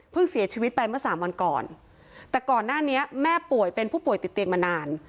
เสียชีวิตไปเมื่อสามวันก่อนแต่ก่อนหน้านี้แม่ป่วยเป็นผู้ป่วยติดเตียงมานาน